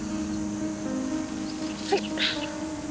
はい。